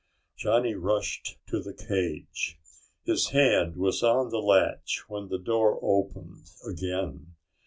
Johnny rushed to the cage. His hand was on the latch when the door opened again.